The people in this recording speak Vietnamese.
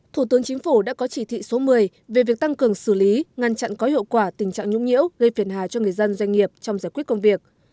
thủ tướng chính phủ đã có chỉ thị số một mươi về việc tăng cường xử lý ngăn chặn có hiệu quả tình trạng nhũng nhiễu gây phiền hà cho người dân doanh nghiệp trong giải quyết công việc